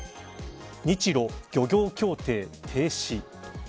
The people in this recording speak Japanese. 日ロ漁業協定停止。